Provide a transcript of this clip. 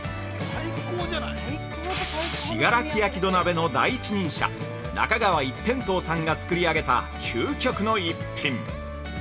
信楽焼土鍋の第一人者中川一辺陶さんが作り上げた究極の逸品。